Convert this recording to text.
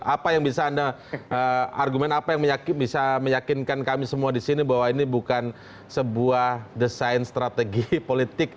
apa yang bisa anda argumen apa yang bisa meyakinkan kami semua di sini bahwa ini bukan sebuah desain strategi politik